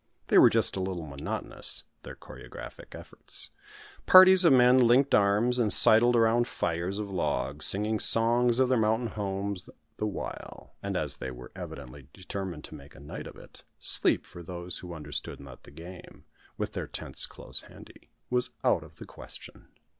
They were just a little monotonous, their choregraphic efforts. Parties of men linked arms and sidled around fires of logs, singing songs of their mountain homes the while. And as they were evidently determined to make a night of it, sleep for those who understood not the game, with their tents close handy, was out of the question.